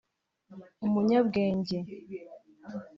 umunyabwenge